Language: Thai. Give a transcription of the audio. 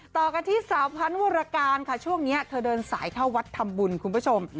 ต่อกันที่สาวพันธ์วรการค่ะช่วงนี้เธอเดินสายเข้าวัดทำบุญคุณผู้ชม